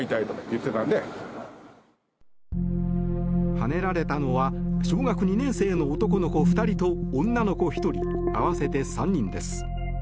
はねられたのは小学２年生の男の子２人と女の子１人、合わせて３人です。